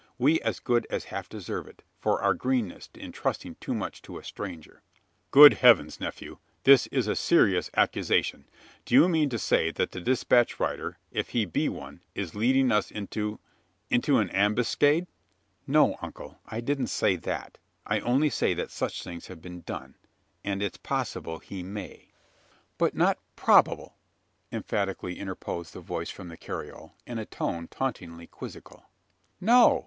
We as good as half deserve it for our greenness, in trusting too much to a stranger." "Good heavens, nephew! this is a serious accusation. Do you mean to say that the despatch rider if he be one is leading us into into an ambuscade?" "No, uncle; I don't say that. I only say that such things have been done; and it's possible he may." "But not probable," emphatically interposed the voice from the carriole, in a tone tauntingly quizzical. "No!"